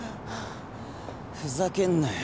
ふざけんなよ